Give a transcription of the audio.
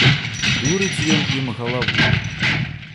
Дурыць ён ім галаву.